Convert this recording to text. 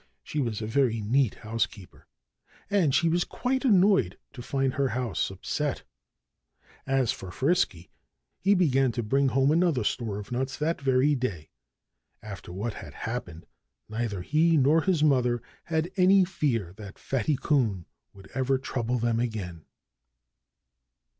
She was a very neat housekeeper; and she was quite annoyed to find her house upset. As for Frisky, he began to bring home another store of nuts that very day. After what had happened neither he nor his mother had any fear that Fatty Coon would ever trouble them again.